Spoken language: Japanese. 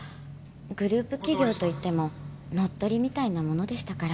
グループ企業と言っても乗っ取りみたいなものでしたから。